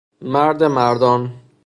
مرد مردان